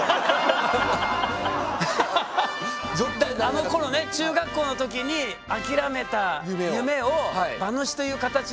あのころね中学校の時に諦めた夢を馬主という形で。